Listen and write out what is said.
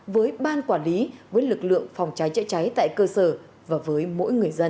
với ban quản lý với lực lượng phòng cháy chữa cháy tại cơ sở và với mỗi người dân